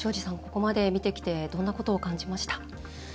ここまで見てきてどんなことを感じました？